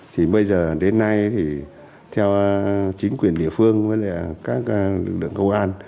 thì bây giờ đến nay thì theo chính quyền địa phương với các lực lượng công an